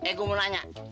eh gua mau nanya